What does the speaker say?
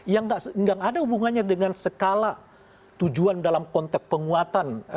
yang tidak ada hubungannya dengan skala tujuan dalam konteks penguatan